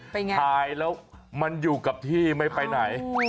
เป็นไงถ่ายแล้วมันอยู่กับที่ไม่ไปไหน